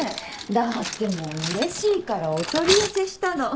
だってもううれしいからお取り寄せしたの。